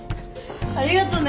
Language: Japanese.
ありがとね。